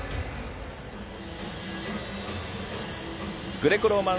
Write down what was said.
グレコローマン